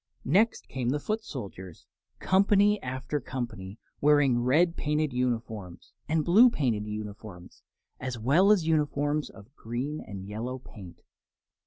Next came the foot soldiers, company after company, wearing red painted uniforms and blue painted uniforms, as well as uniforms of green and yellow paint.